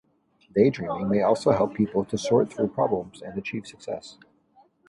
Daydreaming may also help people to sort through problems and achieve success.